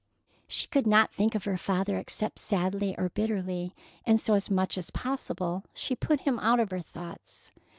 She could not think of her father except sadly or bitterly, and so as much as possible she put him out of her thoughts.